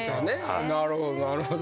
なるほどなるほど。